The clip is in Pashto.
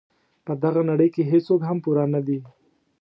په دغه نړۍ کې هیڅوک هم پوره نه دي.